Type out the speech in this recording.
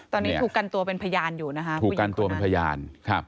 ตอนนี้ถูกกันตัวเป็นพยานอยู่นะคะถูกกันตัวเป็นพยานครับ